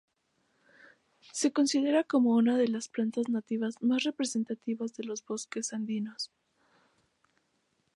Se considera como una de las plantas nativas más representativas de los bosques andinos.